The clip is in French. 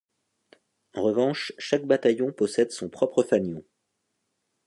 En revanche chaque bataillon possède son propre Fanion.